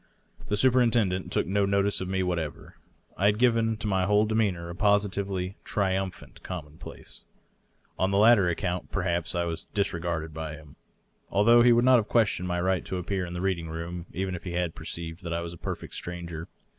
The superintendent took no notice of me what ever; I had given to my whole demeanor a positively triumphant com monplace. On this latter account, perhaps, I was disregarded by him, although he would not have questioned my right to appear in the read ing room even if he had perceived that I was a perfect stranger.